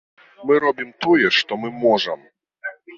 Мы робім тое, што мы можам.